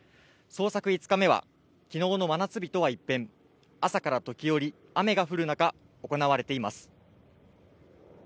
捜索５日目は昨日の真夏日とは一変、朝から時折雨が降るなか行われています。